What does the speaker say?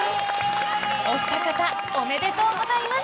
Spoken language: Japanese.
お二方おめでとうございます。